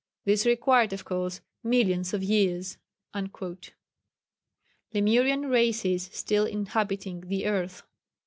This required, of course, millions of years." [Sidenote: Lemurian Races still Inhabiting the Earth.